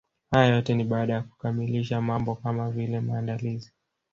Haya yote ni baada ya kukamilisha mambo kama vile maandalizi